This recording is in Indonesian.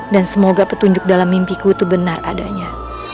dan semoga petunjuk dalam mimpiku itu benar adanya